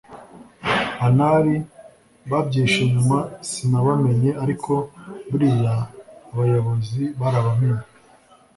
anari babyihishe inyuma sinabamenye ariko buriya abayobozi barabamenye